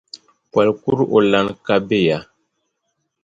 Poli kuri o lana ka be ya?